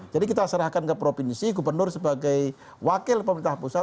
jadi kita serahkan ke provinsi gubernur sebagai wakil pemerintah pusat